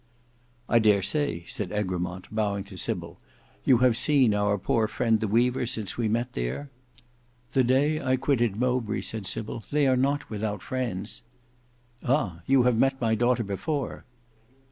"I dare say," said Egremont bowing to Sybil, "you have seen our poor friend the weaver since we met there." "The day I quitted Mowbray," said Sybil. "They are not without friends." "Ah! you have met my daughter before."